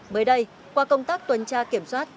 bới đây qua công tác tuần tra kiểm soát